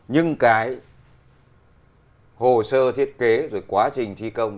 nhưng cái hồ sơ thiết kế rồi quá trình thi công